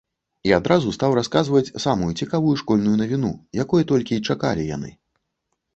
І адразу стаў расказваць самую цікавую школьную навіну, якой толькі й чакалі яны.